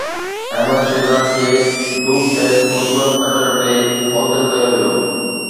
احمد شهزاد کي dope test مثبت اچڻ تي معطل ڪيو ويو